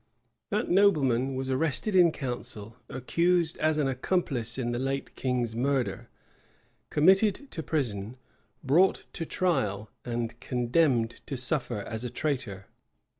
That nobleman was arrested in council, accused as an accomplice in the late king's murder, committed to prison, brought to trial, and condemned to suffer as a traitor.